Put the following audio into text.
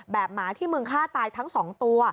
แบบหมาที่มึงฆ่าตายทั้งสองตัว